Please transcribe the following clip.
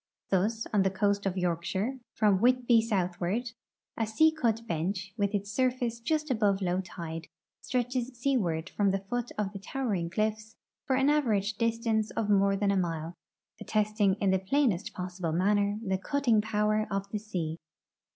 Thus, on the coast of Yorkshire, from Whitby southward, a sea cut bench, with its surface just above low tide, stretches seaward from the foot of the towering cliffs for an average distance of more than a mile, attesting in the j)lainest possilde manner the cutting power of the sea.